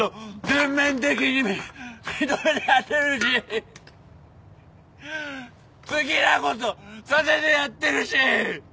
全面的に認めてやってるし好きなことさせてやってるし！